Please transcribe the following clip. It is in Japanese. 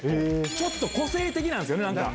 ちょっと個性的なんすよね。